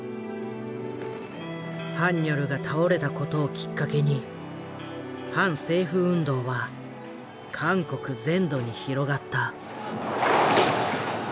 ハンニョルが倒れたことをきっかけに反政府運動は韓国全土に広がった。